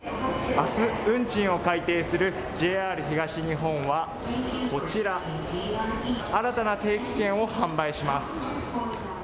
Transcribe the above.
あす、運賃を改定するＪＲ東日本はこちら、新たな定期券を販売します。